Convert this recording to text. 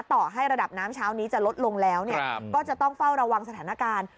ต่อให้ระดับน้ำเช้านี้จะลดลงแล้วก็จะต้องเฝ้าระวังสถานการณ์